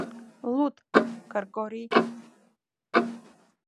Луд, Кыргорий.